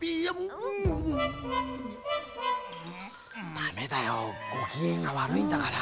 ダメだよごきげんがわるいんだから。